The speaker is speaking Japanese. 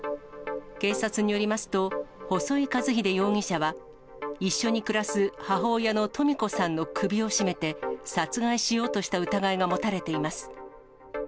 警察によりますと、細井一英容疑者は、一緒に暮らす母親の登美子さんの首を絞めて、殺害しようとした疑いが持たれています。